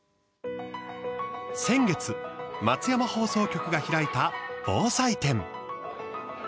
先月、松山放送局が開いた防災展。